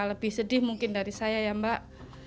lebih sedih mungkin dari saya ya mbak